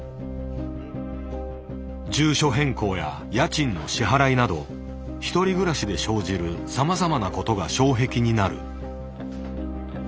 住所変更や家賃の支払いなど１人暮らしで生じるさまざまなことが障壁になる。